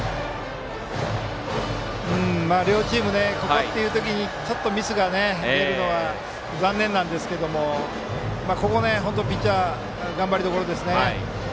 両チーム、ここという時にちょっとミスが出るのは残念なんですがここはピッチャー頑張りどころですね。